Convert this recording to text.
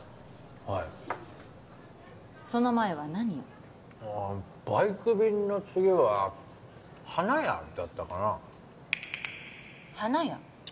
はいその前は何をああバイク便の次は花屋だったかな花屋？